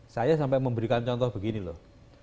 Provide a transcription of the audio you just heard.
saya sampai memberikan contoh begini loh